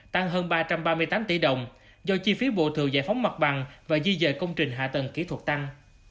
tăng hơn ba trăm ba mươi tám tỷ đồng do chi phí bộ thừa giải phóng mặt bằng và di dời công trình hạ tầng kỹ thuật tăng